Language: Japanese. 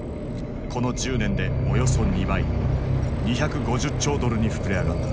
この１０年でおよそ２倍２５０兆ドルに膨れ上がった。